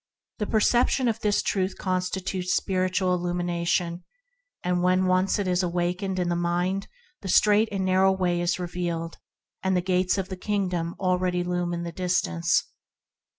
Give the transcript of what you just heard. The perception of this truth constitutes spiritual illumination, and when once it is awakened in the mind, the strait and narrow way is revealed, and the shining Gates of the Kingdom already loom in the distance.